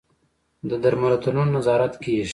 د درملتونونو نظارت کیږي؟